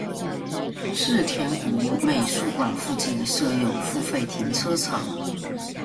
世田谷美术馆附近设有付费停车场。